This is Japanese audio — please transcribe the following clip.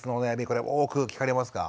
これ多く聞かれますか？